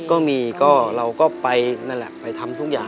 ก็มีก็เราก็ไปนั่นแหละไปทำทุกอย่าง